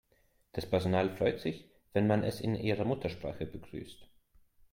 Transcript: Das Personal freut sich, wenn man es in ihrer Muttersprache begrüßt.